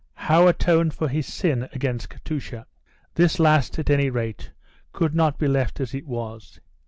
How atone for his sin against Katusha? This last, at any rate, could not be left as it was.